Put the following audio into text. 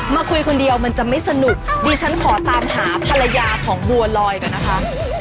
มาคุยคนเดียวมันจะไม่สนุกดิฉันขอตามหาภรรยาของบัวลอยก่อนนะคะ